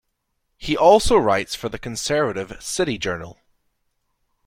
He also writes for the conservative "City Journal".